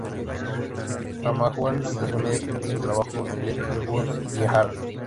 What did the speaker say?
Ramanujan comenzó inmediatamente su trabajo con Littlewood y Hardy.